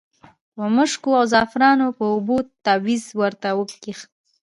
په مشکو او زعفرانو په اوبو تاویز ورته وکیښ.